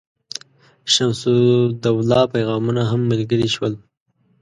شمس الدوله پیغامونه هم ملګري شول.